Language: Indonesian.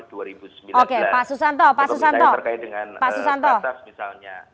untuk misalnya terkait dengan kasus misalnya